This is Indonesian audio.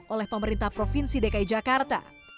oleh pemerintah provinsi dki jakarta